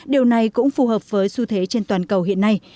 điều này cũng phù hợp với xu thế trên toàn cầu hiện nay